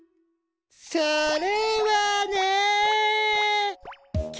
それはね。